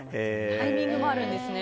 タイミングもあるんですね。